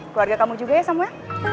keluarga kamu juga ya sama ya